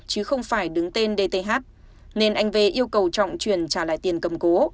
chứ không phải đứng tên dth nên anh v yêu cầu trọng chuyển trả lại tiền cầm cố